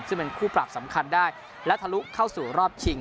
ซึ่งเป็นคู่ปรับสำคัญได้และทะลุเข้าสู่รอบชิง